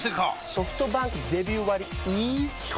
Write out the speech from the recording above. ソフトバンクデビュー割イズ基本